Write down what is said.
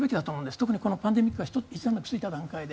特にパンデミックがひと段落ついた段階で。